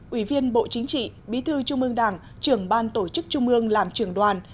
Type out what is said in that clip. ủy viên bộ chính trị bí thư trung ương đảng trưởng ban tổ chức trung ương làm trưởng đoàn